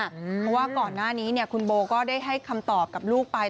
เพราะว่าก่อนหน้านี้คุณโบก็ได้ให้คำตอบกับลูกไป